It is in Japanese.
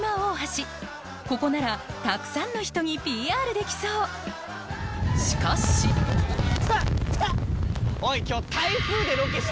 ここならたくさんの人にＰＲできそうしかしおい今日。